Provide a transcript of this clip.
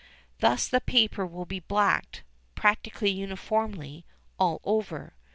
Thus the paper will be blacked, practically uniformly, all over.